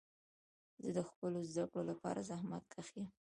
زه د خپلو زده کړو لپاره زحمت کښ یم.